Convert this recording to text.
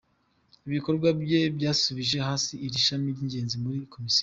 Ibikorwa bye byasubije hasi iri shami ry’ingenzi muri Komisiyo.”